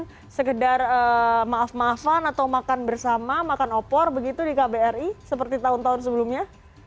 bukan sekedar maaf maafan atau makan bersama makan opor begitu di kbri seperti tahun tahun sebelumnya